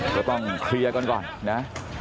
ก็ต้องเคลียร์กันก่อนนะ